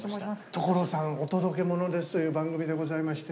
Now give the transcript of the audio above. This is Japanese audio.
『所さんお届けモノです！』という番組でございまして。